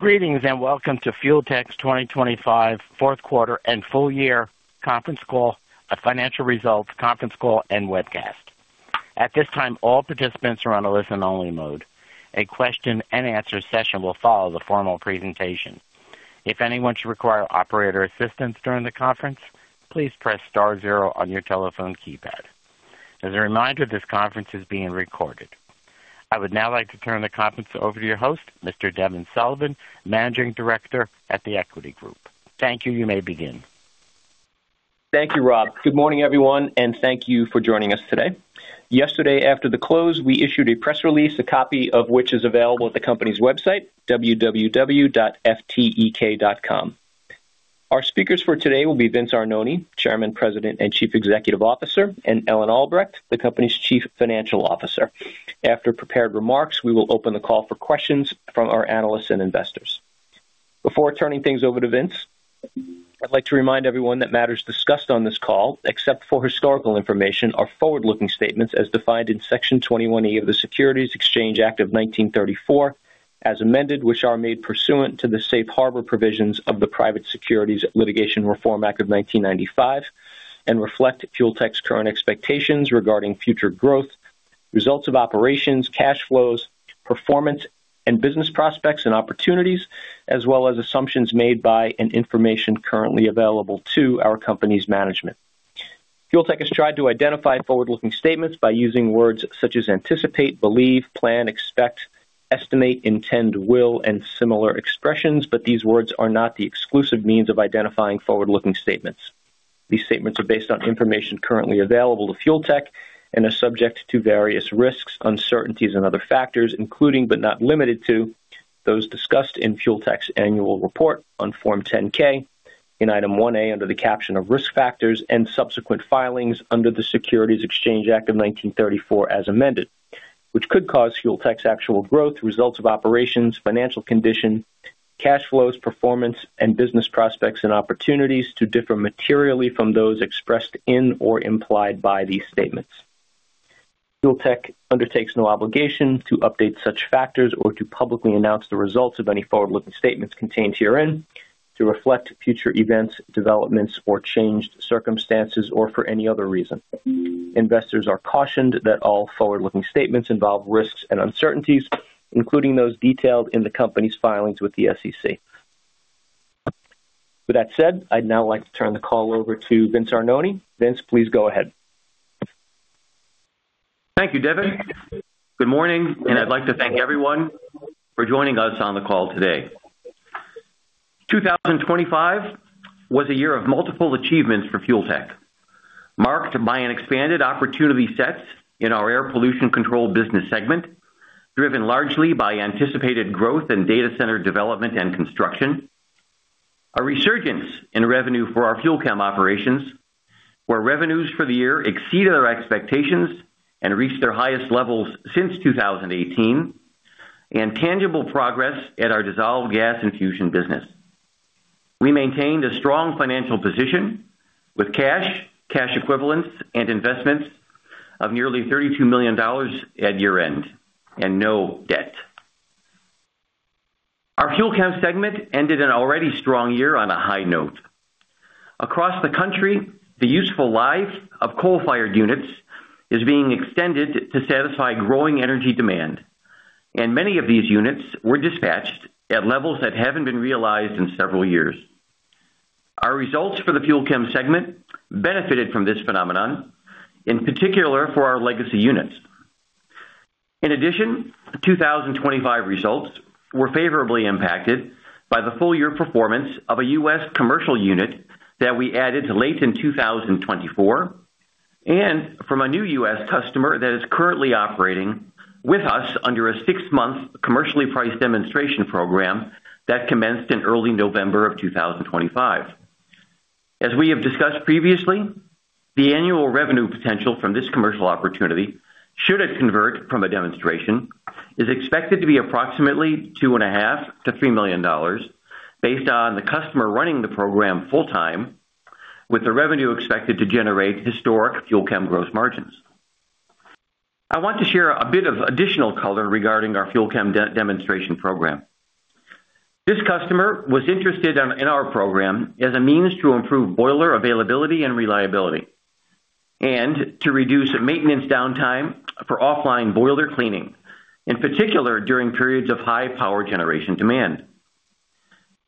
Greetings and welcome to Fuel Tech's 2025 fourth quarter and full year conference call, a financial results conference call and webcast. At this time, all participants are on a listen-only mode. A question and answer session will follow the formal presentation. If anyone should require operator assistance during the conference, please press star zero on your telephone keypad. As a reminder, this conference is being recorded. I would now like to turn the conference over to your host, Mr. Devin Sullivan, Managing Director at The Equity Group. Thank you. You may begin. Thank you, Rob. Good morning, everyone, and thank you for joining us today. Yesterday, after the close, we issued a press release, a copy of which is available at the company's website, www.ftek.com. Our speakers for today will be Vince Arnone, Chairman, President and Chief Executive Officer, and Ellen Albrecht, the Company's Chief Financial Officer. After prepared remarks, we will open the call for questions from our analysts and investors. Before turning things over to Vince, I'd like to remind everyone that matters discussed on this call, except for historical information, are forward-looking statements as defined in Section 21E of the Securities Exchange Act of 1934 as amended, which are made pursuant to the safe harbor provisions of the Private Securities Litigation Reform Act of 1995. Reflect Fuel Tech's current expectations regarding future growth, results of operations, cash flows, performance and business prospects and opportunities, as well as assumptions made by and information currently available to our company's management. Fuel Tech has tried to identify forward-looking statements by using words such as anticipate, believe, plan, expect, estimate, intend, will, and similar expressions, but these words are not the exclusive means of identifying forward-looking statements. These statements are based on information currently available to Fuel Tech and are subject to various risks, uncertainties and other factors, including but not limited to those discussed in Fuel Tech's annual report on Form 10-K in Item 1A under the caption of Risk Factors and subsequent filings under the Securities Exchange Act of 1934 as amended. Which could cause Fuel Tech's actual growth, results of operations, financial condition, cash flows, performance and business prospects and opportunities to differ materially from those expressed in or implied by these statements. Fuel Tech undertakes no obligation to update such factors or to publicly announce the results of any forward-looking statements contained herein to reflect future events, developments or changed circumstances, or for any other reason. Investors are cautioned that all forward-looking statements involve risks and uncertainties, including those detailed in the company's filings with the SEC. With that said, I'd now like to turn the call over to Vince Arnone. Vince, please go ahead. Thank you, Devin. Good morning, and I'd like to thank everyone for joining us on the call today. 2025 was a year of multiple achievements for Fuel Tech, marked by an expanded opportunity set in our air pollution control business segment, driven largely by anticipated growth in data center development and construction, a resurgence in revenue for our FUEL CHEM operations, where revenues for the year exceeded our expectations and reached their highest levels since 2018, and tangible progress at our Dissolved Gas Infusion business. We maintained a strong financial position with cash equivalents and investments of nearly $32 million at year-end and no debt. Our FUEL CHEM segment ended an already strong year on a high note. Across the country, the useful life of coal-fired units is being extended to satisfy growing energy demand, and many of these units were dispatched at levels that haven't been realized in several years. Our results for the FUEL CHEM segment benefited from this phenomenon, in particular for our legacy units. In addition, 2025 results were favorably impacted by the full year performance of a U.S. commercial unit that we added late in 2024, and from a new U.S. customer that is currently operating with us under a six-month commercially priced demonstration program that commenced in early November of 2025. As we have discussed previously, the annual revenue potential from this commercial opportunity should it convert from a demonstration, is expected to be approximately two and a half to three million dollars based on the customer running the program full time with the revenue expected to generate historic FUEL CHEM gross margins. I want to share a bit of additional color regarding our FUEL CHEM demonstration program. This customer was interested in our program as a means to improve boiler availability and reliability. To reduce maintenance downtime for offline boiler cleaning, in particular during periods of high power generation demand.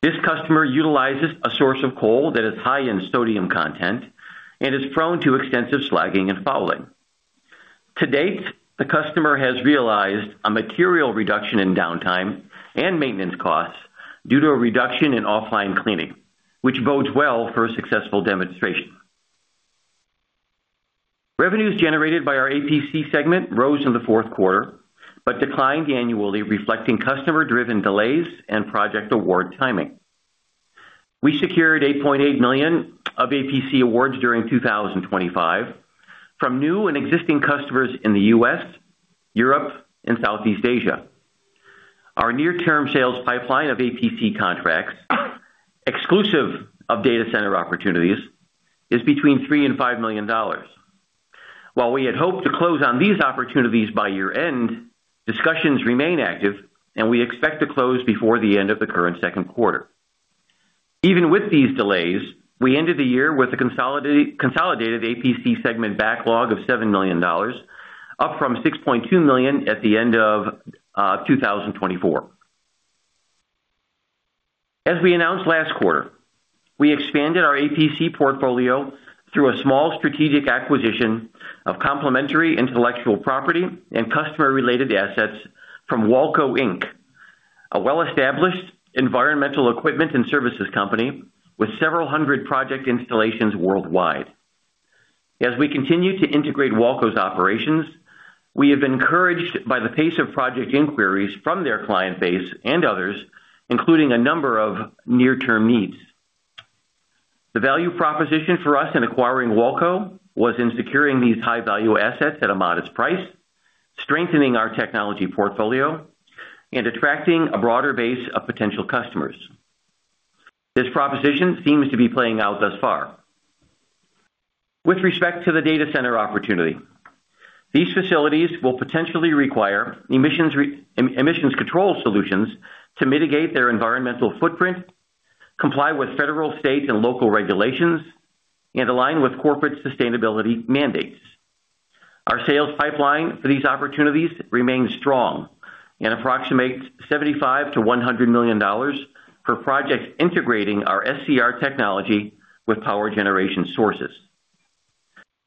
This customer utilizes a source of coal that is high in sodium content and is prone to extensive slagging and fouling. To date, the customer has realized a material reduction in downtime and maintenance costs due to a reduction in offline cleaning, which bodes well for a successful demonstration. Revenues generated by our APC segment rose in the fourth quarter, declined annually, reflecting customer driven delays and project award timing. We secured $8.8 million of APC awards during 2025 from new and existing customers in the U.S., Europe and Southeast Asia. Our near-term sales pipeline of APC contracts, exclusive of data center opportunities, is between $3 million-$5 million. While we had hoped to close on these opportunities by year-end, discussions remain active and we expect to close before the end of the current second quarter. Even with these delays, we ended the year with a consolidated APC segment backlog of $7 million, up from $6.2 million at the end of 2024. As we announced last quarter, we expanded our APC portfolio through a small strategic acquisition of complementary intellectual property and customer-related assets from Wahlco, Inc., a well-established environmental equipment and services company with several hundred project installations worldwide. As we continue to integrate Wahlco's operations, we have been encouraged by the pace of project inquiries from their client base and others, including a number of near-term needs. The value proposition for us in acquiring Wahlco was in securing these high-value assets at a modest price, strengthening our technology portfolio, and attracting a broader base of potential customers. This proposition seems to be playing out thus far. With respect to the data center opportunity, these facilities will potentially require emissions control solutions to mitigate their environmental footprint, comply with federal, state, and local regulations, and align with corporate sustainability mandates. Our sales pipeline for these opportunities remains strong and approximates $75 million-$100 million for projects integrating our SCR technology with power generation sources.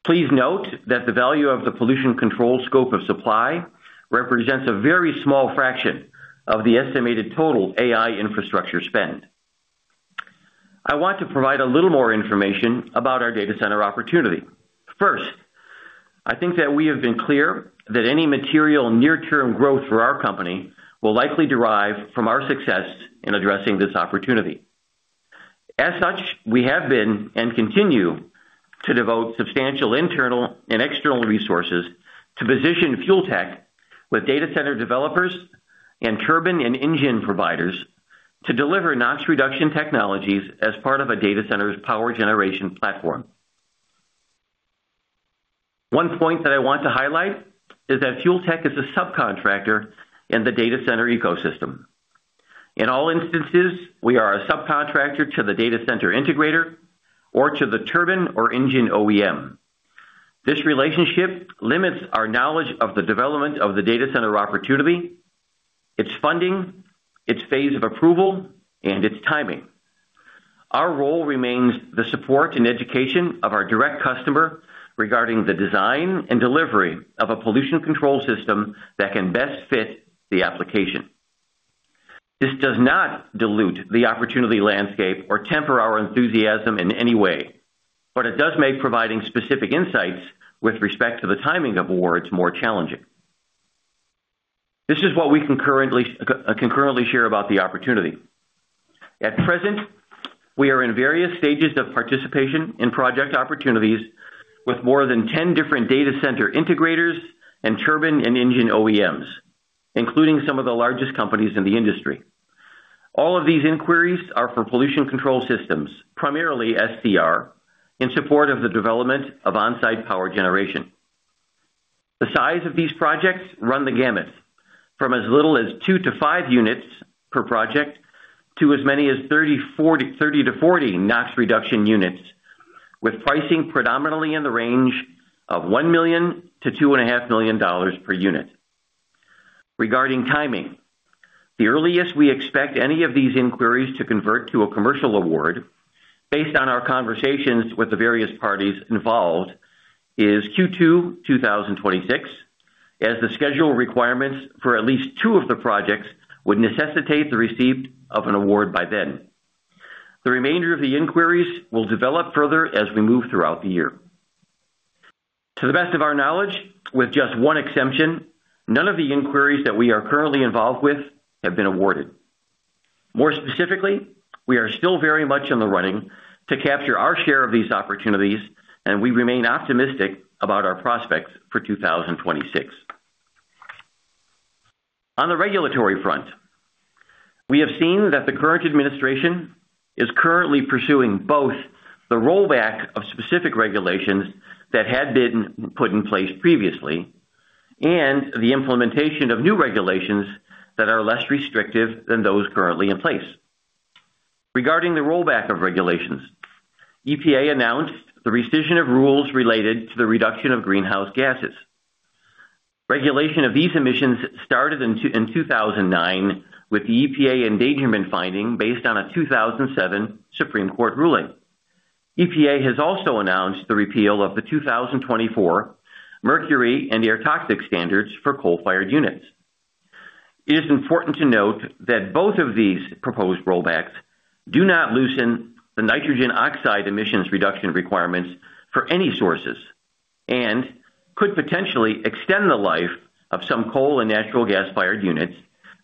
Please note that the value of the pollution control scope of supply represents a very small fraction of the estimated total AI infrastructure spend. I want to provide a little more information about our data center opportunity. First, I think that we have been clear that any material near-term growth for our company will likely derive from our success in addressing this opportunity. As such, we have been and continue to devote substantial internal and external resources to position Fuel Tech with data center developers and turbine and engine providers to deliver NOx reduction technologies as part of a data center's power generation platform. One point that I want to highlight is that Fuel Tech is a subcontractor in the data center ecosystem. In all instances, we are a subcontractor to the data center integrator or to the turbine or engine OEM. This relationship limits our knowledge of the development of the data center opportunity, its funding, its phase of approval, and its timing. Our role remains the support and education of our direct customer regarding the design and delivery of a pollution control system that can best fit the application. This does not dilute the opportunity landscape or temper our enthusiasm in any way, but it does make providing specific insights with respect to the timing of awards more challenging. This is what we can currently share about the opportunity. At present, we are in various stages of participation in project opportunities with more than 10 different data center integrators and turbine and engine OEMs, including some of the largest companies in the industry. All of these inquiries are for pollution control systems, primarily SCR, in support of the development of on-site power generation. The size of these projects run the gamut from as little as 2-5 units per project to as many as 30-40 NOx reduction units, with pricing predominantly in the range of $1 million-$2.5 million per unit. Regarding timing, the earliest we expect any of these inquiries to convert to a commercial award based on our conversations with the various parties involved is Q2 2026, as the schedule requirements for at least two of the projects would necessitate the receipt of an award by then. The remainder of the inquiries will develop further as we move throughout the year. To the best of our knowledge, with just one exemption, none of the inquiries that we are currently involved with have been awarded. More specifically, we are still very much in the running to capture our share of these opportunities, and we remain optimistic about our prospects for 2026. On the regulatory front, we have seen that the current administration is currently pursuing both the rollback of specific regulations that had been put in place previously and the implementation of new regulations that are less restrictive than those currently in place. Regarding the rollback of regulations, EPA announced the rescission of rules related to the reduction of greenhouse gases. Regulation of these emissions started in 2009 with the EPA endangerment finding based on a 2007 Supreme Court ruling. EPA has also announced the repeal of the 2024 Mercury and Air Toxics Standards for coal-fired units. It is important to note that both of these proposed rollbacks do not loosen the nitrogen oxide emissions reduction requirements for any sources and could potentially extend the life of some coal and natural gas-fired units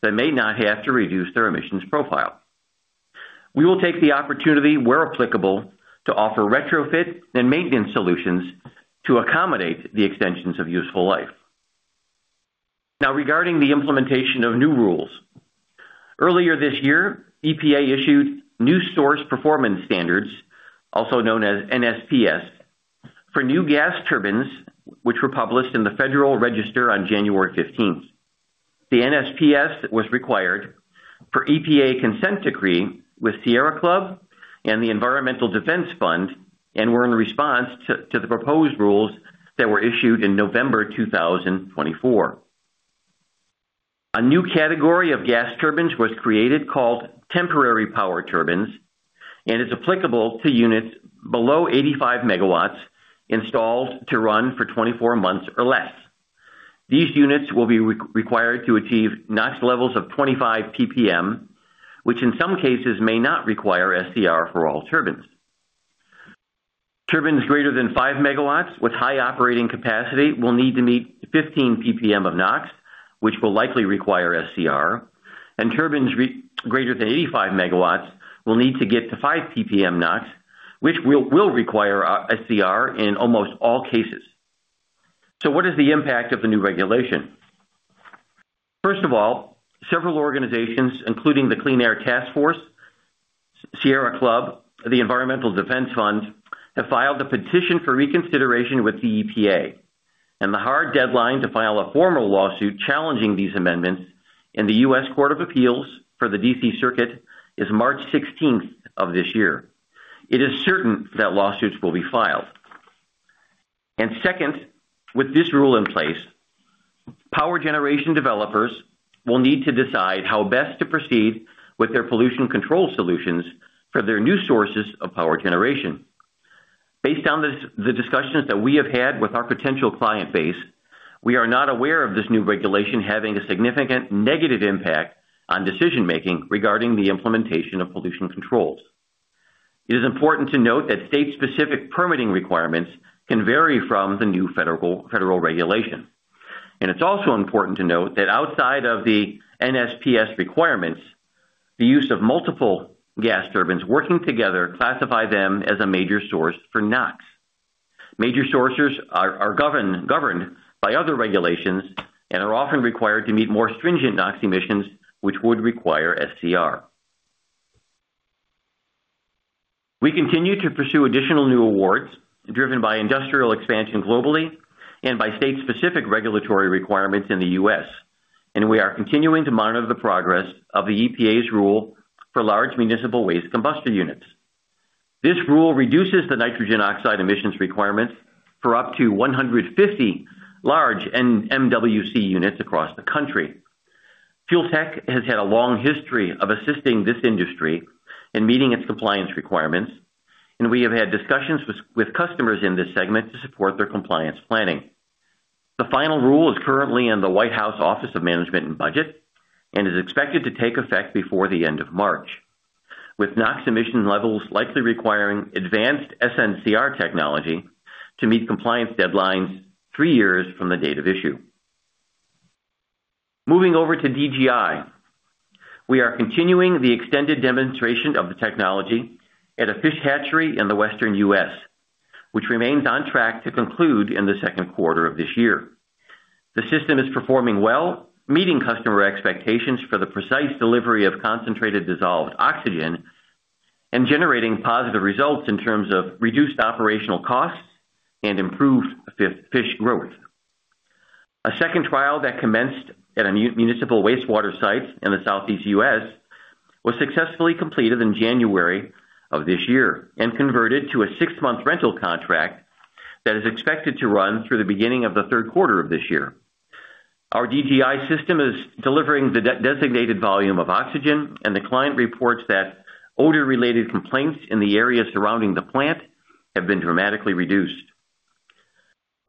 that may not have to reduce their emissions profile. We will take the opportunity where applicable to offer retrofit and maintenance solutions to accommodate the extensions of useful life. Regarding the implementation of new rules. Earlier this year, EPA issued New Source Performance Standards, also known as NSPS, for new gas turbines, which were published in the Federal Register on January 15th. The NSPS was required for EPA consent decree with Sierra Club and the Environmental Defense Fund and were in response to the proposed rules that were issued in November 2024. A new category of gas turbines was created called temporary power turbines and is applicable to units below 85 MW installed to run for 24 months or less. These units will be required to achieve NOx levels of 25 PPM, which in some cases may not require SCR for all turbines. Turbines greater than 5 MW with high operating capacity will need to meet 15 PPM of NOx, which will likely require SCR, and turbines greater than 85 MW will need to get to 5 PPM NOx, which will require SCR in almost all cases. What is the impact of the new regulation? First of all, several organizations, including the Clean Air Task Force, Sierra Club, the Environmental Defense Fund, have filed a petition for reconsideration with the EPA. The hard deadline to file a formal lawsuit challenging these amendments in the U.S. Court of Appeals for the D.C. Circuit is March 16th of this year. It is certain that lawsuits will be filed. Second, with this rule in place, power generation developers will need to decide how best to proceed with their pollution control solutions for their new sources of power generation. Based on this, the discussions that we have had with our potential client base, we are not aware of this new regulation having a significant negative impact on decision-making regarding the implementation of pollution controls. It is important to note that state-specific permitting requirements can vary from the new federal regulation. It's also important to note that outside of the NSPS requirements, the use of multiple gas turbines working together classify them as a major source for NOx. Major sources are governed by other regulations and are often required to meet more stringent NOx emissions, which would require SCR. We continue to pursue additional new awards driven by industrial expansion globally and by state-specific regulatory requirements in the U.S., and we are continuing to monitor the progress of the EPA's rule for large Municipal Waste Combustor units. This rule reduces the nitrogen oxide emissions requirements for up to 150 large MWC units across the country. Fuel Tech has had a long history of assisting this industry in meeting its compliance requirements, and we have had discussions with customers in this segment to support their compliance planning. The final rule is currently in the White House Office of Management and Budget and is expected to take effect before the end of March, with NOx emission levels likely requiring advanced SNCR technology to meet compliance deadlines 3 years from the date of issue. Moving over to DGI. We are continuing the extended demonstration of the technology at a fish hatchery in the Western U.S., which remains on track to conclude in the second quarter of this year. The system is performing well, meeting customer expectations for the precise delivery of concentrated dissolved oxygen and generating positive results in terms of reduced operational costs and improved fish growth. A second trial that commenced at a municipal wastewater site in the Southeast U.S. was successfully completed in January of this year and converted to a six-month rental contract that is expected to run through the beginning of the third quarter of this year. Our DGI system is delivering the designated volume of oxygen, and the client reports that odor-related complaints in the area surrounding the plant have been dramatically reduced.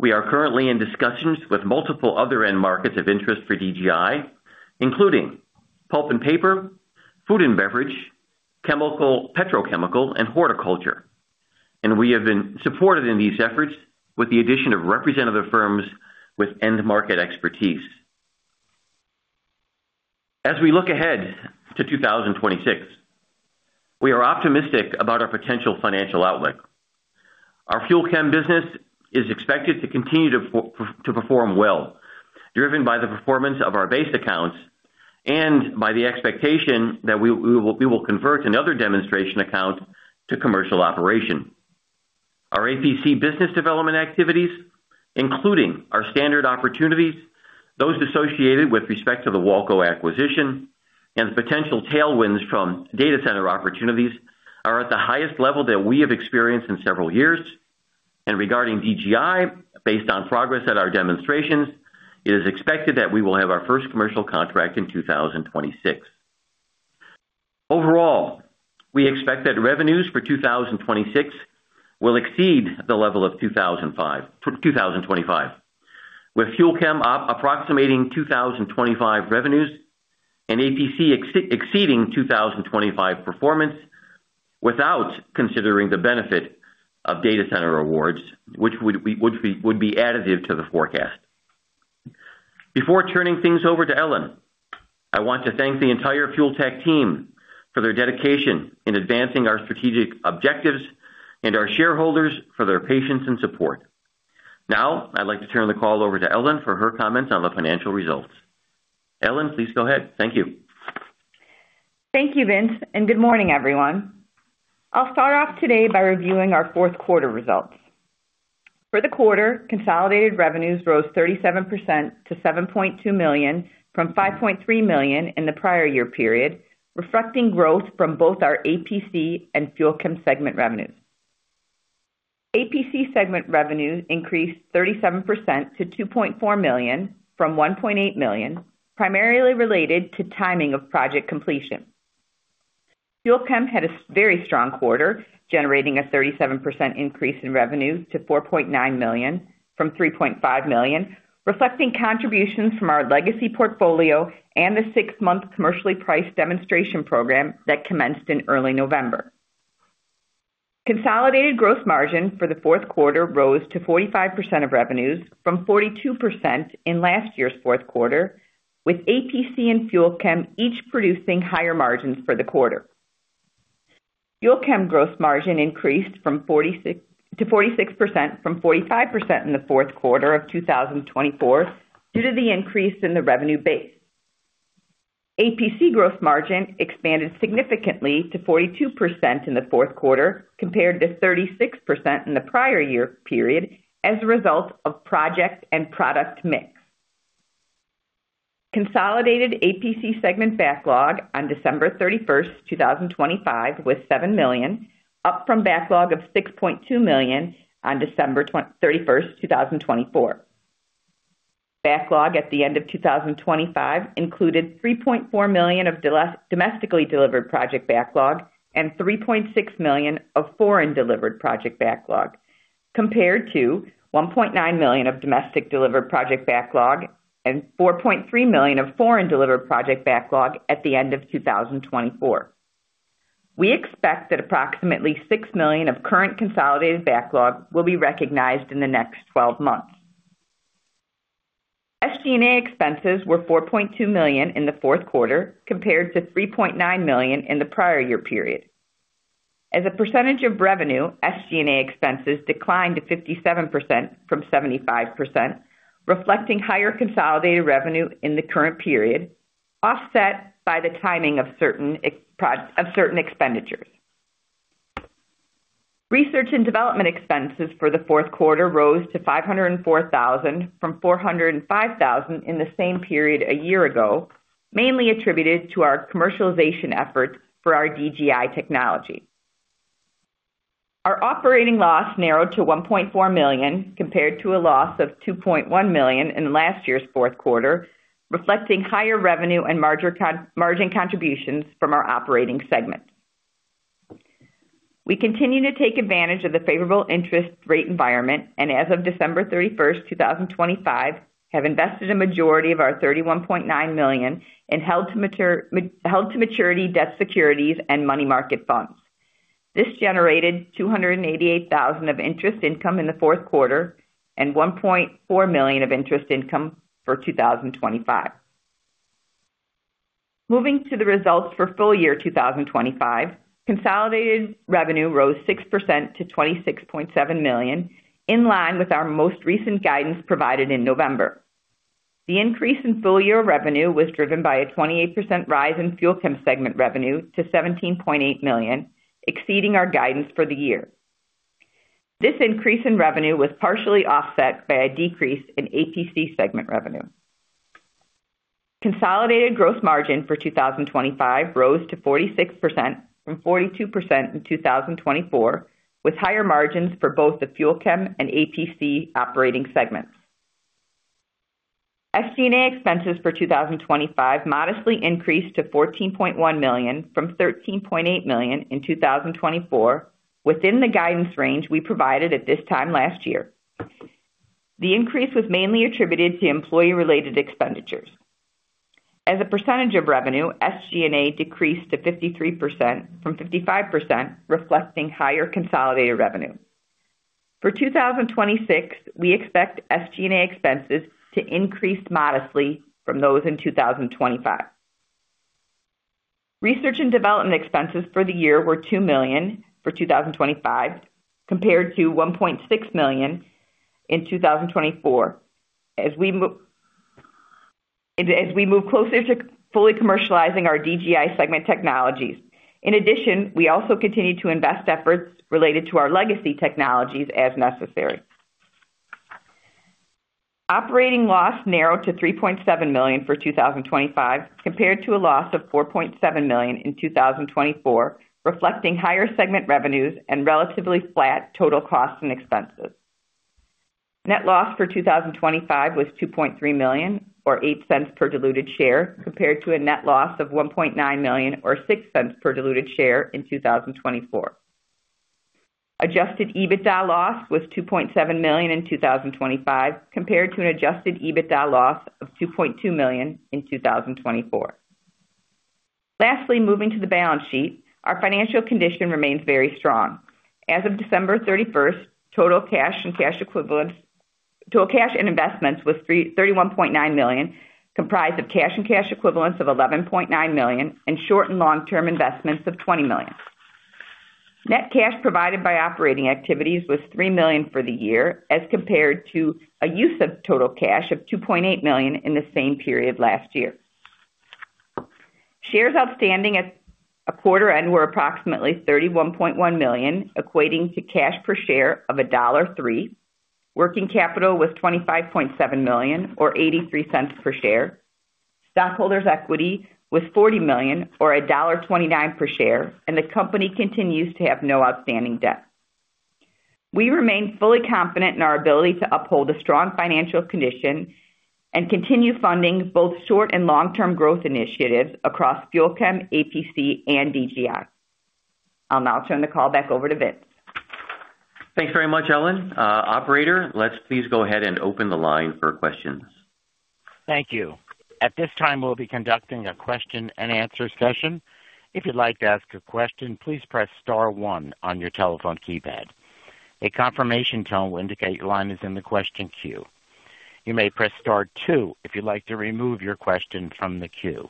We are currently in discussions with multiple other end markets of interest for DGI, including pulp and paper, food and beverage, chemical, petrochemical, and horticulture. We have been supported in these efforts with the addition of representative firms with end market expertise. As we look ahead to 2026, we are optimistic about our potential financial outlook. Our FUEL CHEM business is expected to continue to perform well, driven by the performance of our base accounts and by the expectation that we will convert another demonstration account to commercial operation. Our APC business development activities, including our standard opportunities, those associated with respect to the Wahlco acquisition, and potential tailwinds from data center opportunities, are at the highest level that we have experienced in several years. Regarding DGI, based on progress at our demonstrations, it is expected that we will have our first commercial contract in 2026. Overall, we expect that revenues for 2026 will exceed the level of 2025, with FUEL CHEM approximating 2025 revenues and APC exceeding 2025 performance without considering the benefit of data center awards, which would be additive to the forecast. Before turning things over to Ellen I want to thank the entire Fuel Tech team for their dedication in advancing our strategic objectives and our shareholders for their patience and support. I'd like to turn the call over to Ellen for her comments on the financial results. Ellen, please go ahead. Thank you. Thank you, Vince. Good morning, everyone. I'll start off today by reviewing our fourth quarter results. For the quarter, consolidated revenues rose 37% to $7.2 million from $5.3 million in the prior year period, reflecting growth from both our APC and FUEL CHEM segment revenues. APC segment revenues increased 37% to $2.4 million from $1.8 million, primarily related to timing of project completion. FUEL CHEM had a very strong quarter, generating a 37% increase in revenue to $4.9 million from $3.5 million, reflecting contributions from our legacy portfolio and the six-month commercially priced demonstration program that commenced in early November. Consolidated growth margin for the fourth quarter rose to 45% of revenues from 42% in last year's fourth quarter, with APC and FUEL CHEM each producing higher margins for the quarter. FUEL CHEM growth margin increased to 46% from 45% in the fourth quarter of 2024 due to the increase in the revenue base. APC growth margin expanded significantly to 42% in the fourth quarter compared to 36% in the prior year period as a result of project and product mix. Consolidated APC segment backlog on December 31, 2025 was $7 million, up from backlog of $6.2 million on December 31, 2024. Backlog at the end of 2025 included $3.4 million of domestically delivered project backlog and $3.6 million of foreign delivered project backlog, compared to $1.9 million of domestic delivered project backlog and $4.3 million of foreign delivered project backlog at the end of 2024. We expect that approximately $6 million of current consolidated backlog will be recognized in the next 12 months. SG&A expenses were $4.2 million in the fourth quarter compared to $3.9 million in the prior year period. As a percentage of revenue, SG&A expenses declined to 57% from 75%, reflecting higher consolidated revenue in the current period, offset by the timing of certain expenditures. Research and development expenses for the fourth quarter rose to $504 thousand from $405 thousand in the same period a year ago, mainly attributed to our commercialization efforts for our DGI technology. Our operating loss narrowed to $1.4 million compared to a loss of $2.1 million in last year's fourth quarter, reflecting higher revenue and margin contributions from our operating segment. We continue to take advantage of the favorable interest rate environment and as of December 31st, 2025, have invested a majority of our $31.9 million in held to maturity debt securities and money market funds. This generated $288,000 of interest income in the fourth quarter and $1.4 million of interest income for 2025. Moving to the results for full year 2025, consolidated revenue rose 6% to $26.7 million, in line with our most recent guidance provided in November. The increase in full year revenue was driven by a 28% rise in Fuel Chem segment revenue to $17.8 million, exceeding our guidance for the year. This increase in revenue was partially offset by a decrease in APC segment revenue. Consolidated growth margin for 2025 rose to 46% from 42% in 2024, with higher margins for both the FUEL CHEM and APC operating segments. SG&A expenses for 2025 modestly increased to $14.1 million from $13.8 million in 2024 within the guidance range we provided at this time last year. The increase was mainly attributed to employee-related expenditures. As a percentage of revenue, SG&A decreased to 53% from 55%, reflecting higher consolidated revenue. For 2026, we expect SG&A expenses to increase modestly from those in 2025. Research and development expenses for the year were $2 million for 2025, compared to $1.6 million in 2024. As we move closer to fully commercializing our DGI segment technologies. We also continue to invest efforts related to our legacy technologies as necessary. Operating loss narrowed to $3.7 million for 2025, compared to a loss of $4.7 million in 2024, reflecting higher segment revenues and relatively flat total costs and expenses. Net loss for 2025 was $2.3 million or $0.08 per diluted share, compared to a net loss of $1.9 million or $0.06 per diluted share in 2024. Adjusted EBITDA loss was $2.7 million in 2025, compared to an adjusted EBITDA loss of $2.2 million in 2024. Lastly, moving to the balance sheet. Our financial condition remains very strong. As of December 31st, total cash and investments was $31.9 million, comprised of cash and cash equivalents of $11.9 million and short and long-term investments of $20 million. Net cash provided by operating activities was $3 million for the year as compared to a use of total cash of $2.8 million in the same period last year. Shares outstanding at a quarter end were approximately 31.1 million, equating to cash per share of $1.03. Working capital was $25.7 million, or $0.83 per share. Stockholders equity was $40 million or $1.29 per share, and the company continues to have no outstanding debt. We remain fully confident in our ability to uphold a strong financial condition and continue funding both short and long-term growth initiatives across FUEL CHEM, APC and DGI. I'll now turn the call back over to Vince. Thanks very much, Ellen. operator, let's please go ahead and open the line for questions. Thank you. At this time, we'll be conducting a question and answer session. If you'd like to ask a question, please press star one on your telephone keypad. A confirmation tone will indicate your line is in the question queue. You may press star two if you'd like to remove your question from the queue.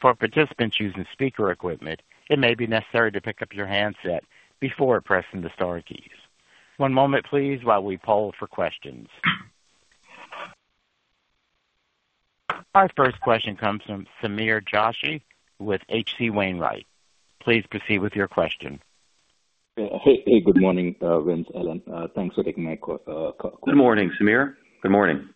For participants using speaker equipment, it may be necessary to pick up your handset before pressing the star keys. One moment please, while we poll for questions. Our first question comes from Sameer Joshi with H.C. Wainwright. Please proceed with your question. Hey, good morning, Vince, Ellen. Thanks for taking my call. Good morning, Sameer. Good morning.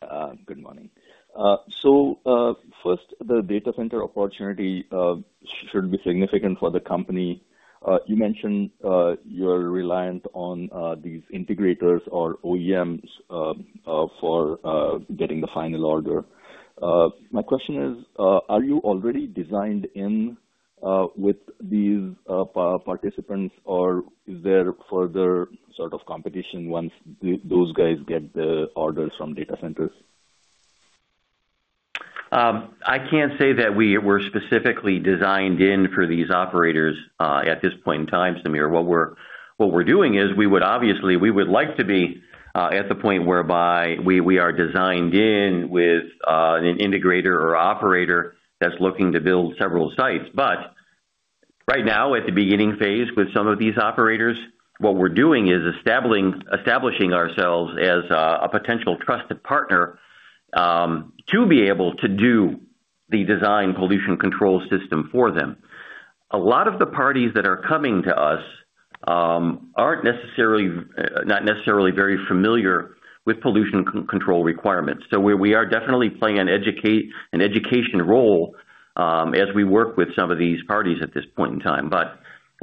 Good morning. First, the data center opportunity should be significant for the company. You mentioned your reliance on these integrators or OEMs for getting the final order. My question is, are you already designed in with these participants, or is there further sort of competition once those guys get the orders from data centers? I can't say that we were specifically designed in for these operators at this point in time, Sameer. What we're doing is we would like to be at the point whereby we are designed in with an integrator or operator that's looking to build several sites. Right now, at the beginning phase with some of these operators, what we're doing is establishing ourselves as a potential trusted partner to be able to do the design pollution control system for them. A lot of the parties that are coming to us aren't necessarily not necessarily very familiar with pollution control requirements. We are definitely playing an education role as we work with some of these parties at this point in time.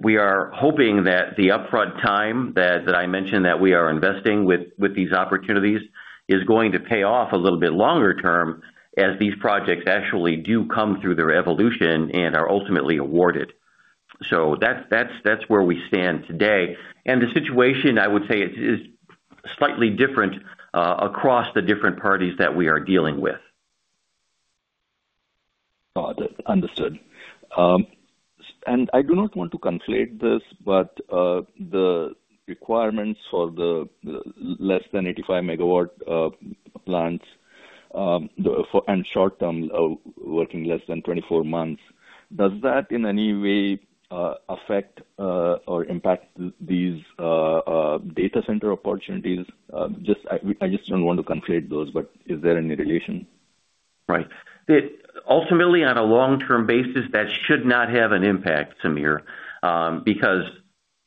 We are hoping that the upfront time that I mentioned that we are investing with these opportunities is going to pay off a little bit longer term as these projects actually do come through their evolution and are ultimately awarded. That's where we stand today. The situation, I would say, is slightly different across the different parties that we are dealing with. Got it. Understood. I do not want to conflate this, but the requirements for the less than 85 MW plants, for and short-term, working less than 24 months, does that in any way affect or impact these data center opportunities? Just, I don't want to conflate those. Is there any relation? Right. Ultimately, on a long-term basis, that should not have an impact, Sameer, because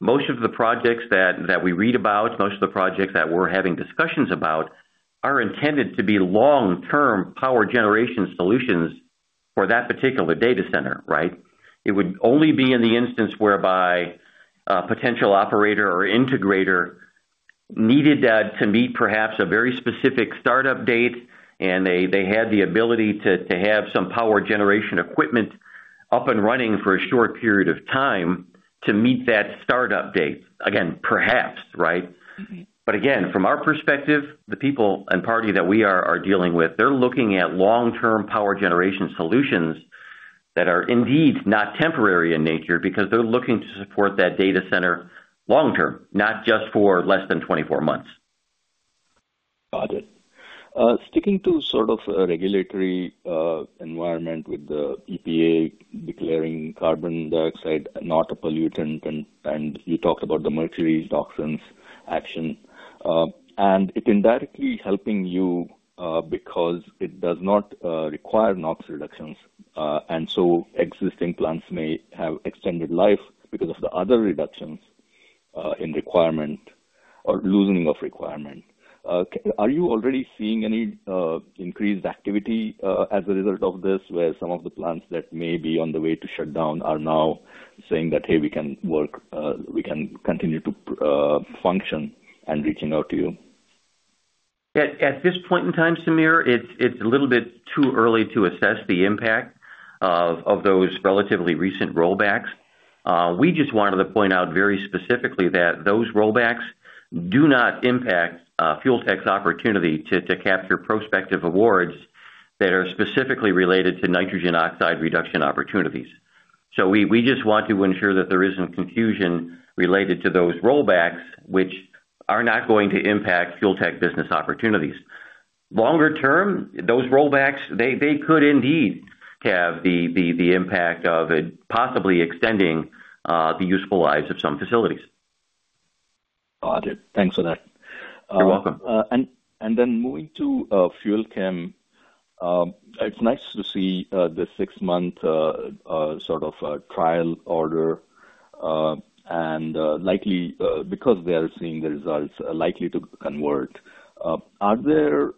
most of the projects that we read about, most of the projects that we're having discussions about are intended to be long-term power generation solutions for that particular data center, right? It would only be in the instance whereby a potential operator or integrator needed to meet perhaps a very specific start date, and they had the ability to have some power generation equipment up and running for a short period of time to meet that start update. Again, perhaps, right? Again, from our perspective, the people and party that we are dealing with, they're looking at long-term power generation solutions that are indeed not temporary in nature because they're looking to support that data center long-term, not just for less than 24 months. Got it. sticking to sort of a regulatory environment with the EPA declaring carbon dioxide not a pollutant. You talked about the Mercury's doctrines action, and it indirectly helping you, because it does not require NOx reductions. Existing plants may have extended life because of the other reductions, in requirement or loosening of requirement. Are you already seeing any increased activity as a result of this, where some of the plants that may be on the way to shut down are now saying that, "Hey, we can work, we can continue to function," and reaching out to you? At this point in time, Sameer, it's a little bit too early to assess the impact of those relatively recent rollbacks. We just wanted to point out very specifically that those rollbacks do not impact Fuel Tech's opportunity to capture prospective awards that are specifically related to nitrogen oxide reduction opportunities. We just want to ensure that there isn't confusion related to those rollbacks, which are not going to impact Fuel Tech business opportunities. Longer term, those rollbacks, they could indeed have the impact of it possibly extending the useful lives of some facilities. Got it. Thanks for that. You're welcome. Then moving to FUEL CHEM. It's nice to see the 6-month sort of trial order, and likely because they are seeing the results are likely to convert. Are there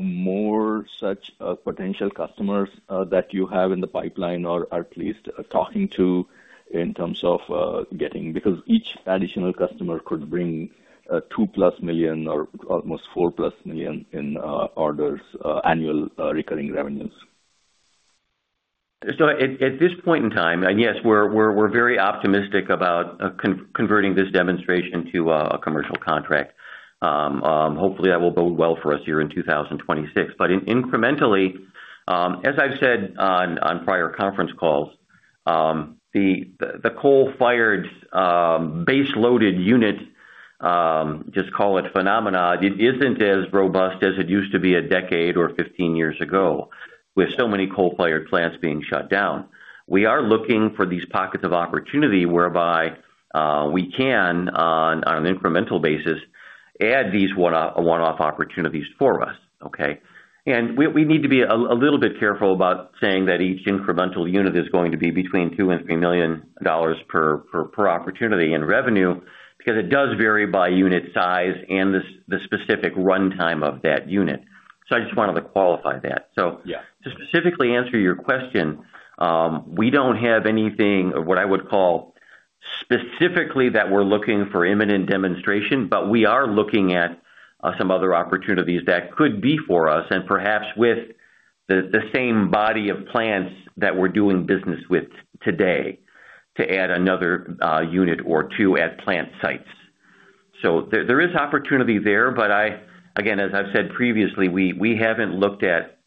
more such potential customers that you have in the pipeline or are at least talking to in terms of getting? Because each additional customer could bring $2+ million or almost $4+ million in orders, annual recurring revenues. At this point in time and yes, we're very optimistic about converting this demonstration to a commercial contract. Hopefully that will bode well for us here in 2026. Incrementally, as I've said on prior conference calls, the coal-fired base loaded unit, just call it phenomena. It isn't as robust as it used to be a decade or 15 years ago, with so many coal-fired plants being shut down. We are looking for these pockets of opportunity whereby we can on an incremental basis add these one-off opportunities for us, okay? We need to be a little bit careful about saying that each incremental unit is going to be between $2 million and $3 million per opportunity in revenue because it does vary by unit size and the specific runtime of that unit. I just wanted to qualify that. Yeah. To specifically answer your question, we don't have anything or what I would call specifically that we're looking for imminent demonstration, but we are looking at some other opportunities that could be for us and perhaps with the same body of plants that we're doing business with today to add another unit or 2 at plant sites. There is opportunity there. Again, as I've said previously, we haven't looked at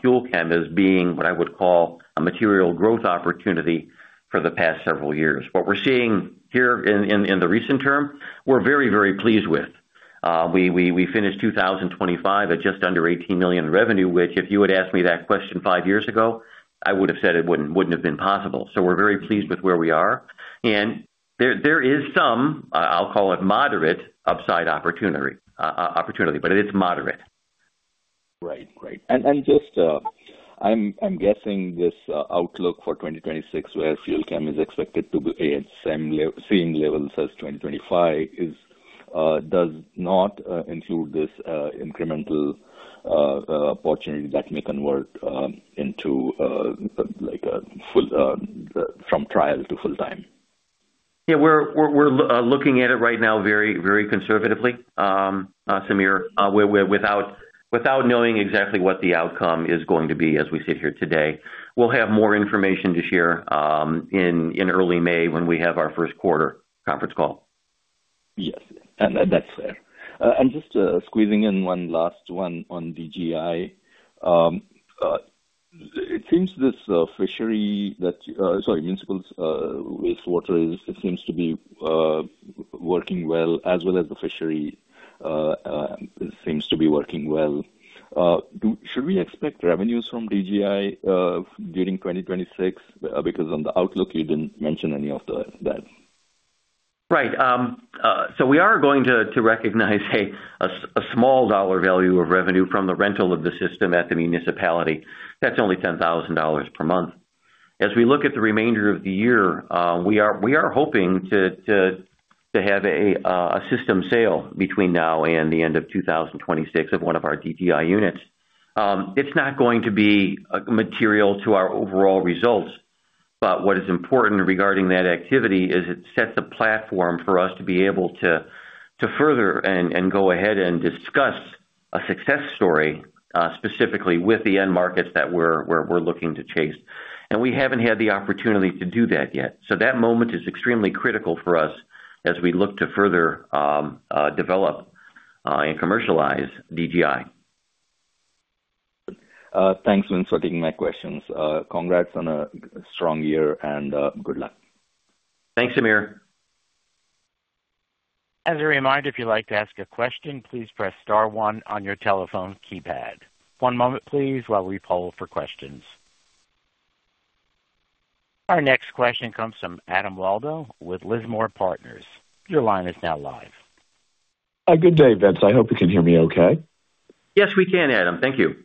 Fuel Chem as being what I would call a material growth opportunity for the past several years. What we're seeing here in the recent term, we're very, very pleased with. We finished 2025 at just under $18 million revenue, which if you had asked me that question 5 years ago, I would have said it wouldn't have been possible. we're very pleased with where we are. There, there is some, I'll call it moderate upside opportunity, but it is moderate. Right. Right. Just, I'm guessing this outlook for 2026 where FUEL CHEM is expected to be at same levels as 2025 does not include this incremental opportunity that may convert into like a full from trial to full-time? We're looking at it right now very, very conservatively, Sameer, without knowing exactly what the outcome is going to be as we sit here today. We'll have more information to share in early May when we have our first quarter conference call. Yes. That's fair. Just squeezing in one last one on DGI. It seems this fishery that, sorry, municipal's wastewater it seems to be working well as well as the fishery seems to be working well. Should we expect revenues from DGI during 2026? On the outlook, you didn't mention any of the, that. We are going to recognize a small dollar value of revenue from the rental of the system at the municipality. That's only $10,000 per month. As we look at the remainder of the year, we are hoping to have a system sale between now and the end of 2026 of one of our DGI units. It's not going to be material to our overall results, but what is important regarding that activity is it sets a platform for us to be able to further and go ahead and discuss a success story specifically with the end markets that we're looking to chase. We haven't had the opportunity to do that yet. that moment is extremely critical for us as we look to further, develop and commercialize DGI. Thanks, Vince, for taking my questions. Congrats on a strong year and good luck. Thanks, Sameer. As a reminder, if you'd like to ask a question, please press star one on your telephone keypad. One moment please while we poll for questions. Our next question comes from Adam Waldo with Lismore Partners. Your line is now live. Good day, Vince. I hope you can hear me okay. Yes, we can, Adam. Thank you.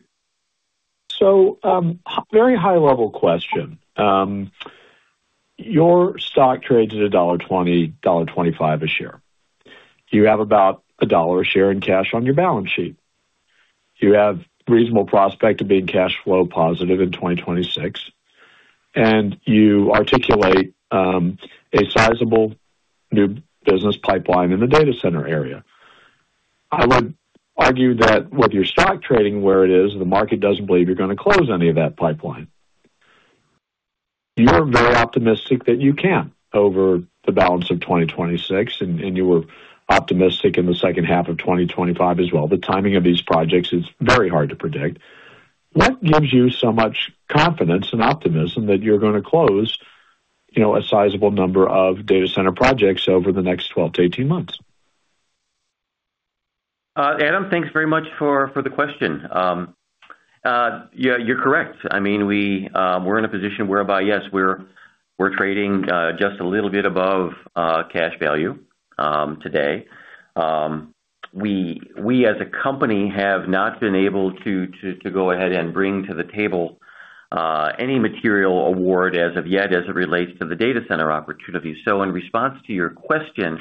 Very high-level question. Your stock trades at $1.20, $1.25 a share. You have about $1 a share in cash on your balance sheet. You have reasonable prospect of being cash flow positive in 2026, and you articulate a sizable new business pipeline in the data center area. I would argue that with your stock trading where it is, the market doesn't believe you're gonna close any of that pipeline. You're very optimistic that you can over the balance of 2026, and you were optimistic in the second half of 2025 as well. The timing of these projects is very hard to predict. What gives you so much confidence and optimism that you're gonna close, you know, a sizable number of data center projects over the next 12 to 18 months? Adam, thanks very much for the question. Yeah, you're correct. I mean, we're in a position whereby yes, we're trading just a little bit above cash value today. We, as a company, have not been able to go ahead and bring to the table any material award as of yet as it relates to the data center opportunity. In response to your question,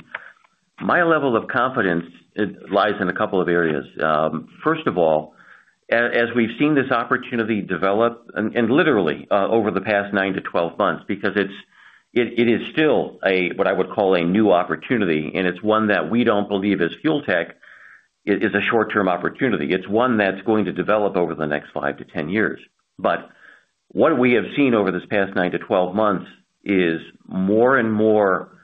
my level of confidence lies in a couple of areas. First of all, as we've seen this opportunity develop and literally over the past 9 to 12 months, because it is still a, what I would call a new opportunity, and it's one that we don't believe as Fuel Tech is a short-term opportunity. It's one that's going to develop over the next 5 to 10 years. What we have seen over this past 9 to 12 months is more and more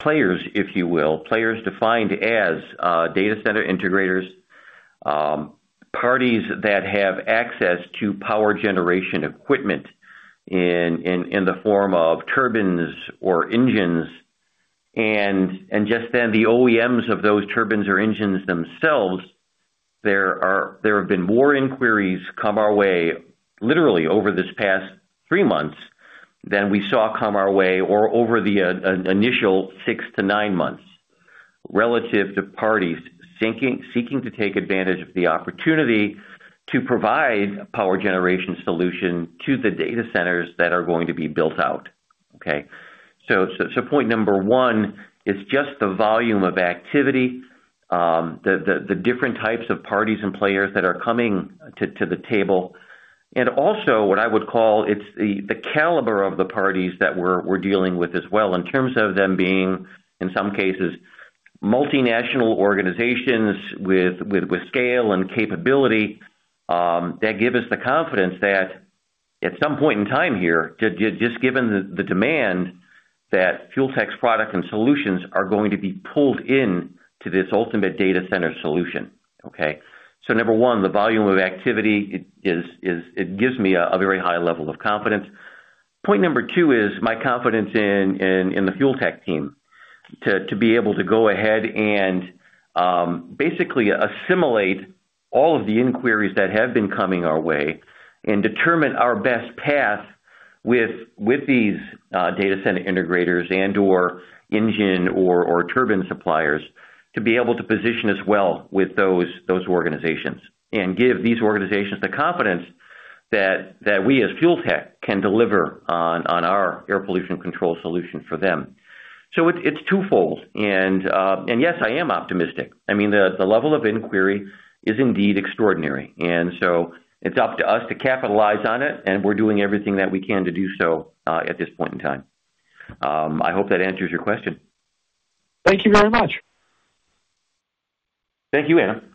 players, if you will, players defined as data center integrators, parties that have access to power generation equipment in the form of turbines or engines and just then the OEMs of those turbines or engines themselves. There have been more inquiries come our way, literally over this past 3 months than we saw come our way or over the initial 6 to 9 months relative to parties seeking to take advantage of the opportunity to provide power generation solution to the data centers that are going to be built out. Okay? Point number 1 is just the volume of activity, the different types of parties and players that are coming to the table, and also what I would call it's the caliber of the parties that we're dealing with as well in terms of them being, in some cases, multinational organizations with scale and capability, that give us the confidence that at some point in time here, just given the demand that Fuel Tech's product and solutions are going to be pulled in to this ultimate data center solution. Okay? Number 1, the volume of activity is, it gives me a very high level of confidence. Point number two is my confidence in the Fuel Tech team to be able to go ahead and basically assimilate all of the inquiries that have been coming our way and determine our best path with these data center integrators and/or engine or turbine suppliers to be able to position us well with those organizations and give these organizations the confidence that we as Fuel Tech can deliver on our air pollution control solution for them. It's twofold. Yes, I am optimistic. I mean, the level of inquiry is indeed extraordinary. It's up to us to capitalize on it, and we're doing everything that we can to do so at this point in time. I hope that answers your question. Thank you very much. Thank you, Adam.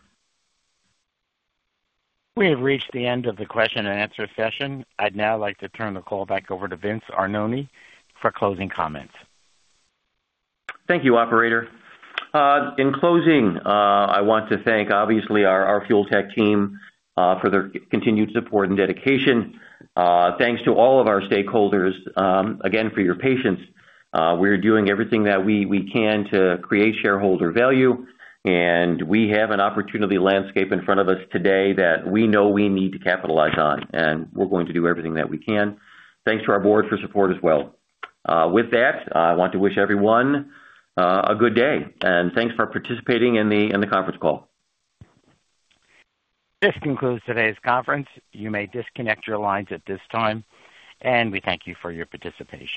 We have reached the end of the question and answer session. I'd now like to turn the call back over to Vince Arnone for closing comments. Thank you, operator. In closing, I want to thank obviously our Fuel Tech team for their continued support and dedication. Thanks to all of our stakeholders, again for your patience. We're doing everything that we can to create shareholder value, and we have an opportunity landscape in front of us today that we know we need to capitalize on, and we're going to do everything that we can. Thanks to our board for support as well. With that, I want to wish everyone a good day, and thanks for participating in the conference call. This concludes today's conference. You may disconnect your lines at this time, and we thank you for your participation.